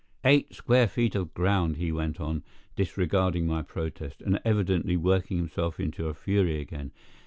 "Eight square feet of ground," he went on, disregarding my protest, and evidently working himself into a fury again.